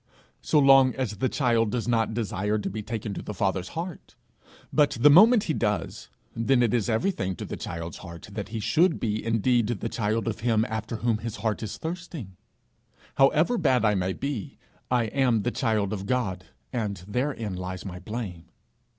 so long as the child does not desire to be taken to the father's heart; but the moment he does, then it is everything to the child's heart that he should be indeed the child of him after whom his soul is thirsting. However bad I may be, I am the child of God, and therein lies my blame.